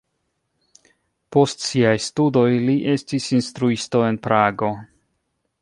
Post siaj studoj li estis instruisto en Prago.